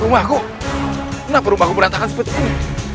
rumahku kenapa rumahku berantakan seperti ini